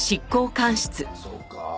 そうか。